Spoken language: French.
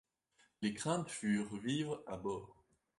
Les craintes furent vives à bord.